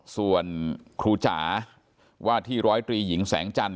ส่วนครูจ๋าว่าที่ร้อยตรีหญิงแสงจันท